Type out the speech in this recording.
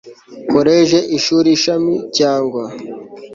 KOLEJI ISHURI ISHAMI CYANGWA